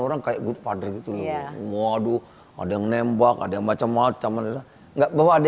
orang kayak good father gitu loh waduh ada yang nembak ada yang macam macam ada enggak bahwa ada